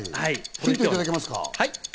ヒントいただけますか？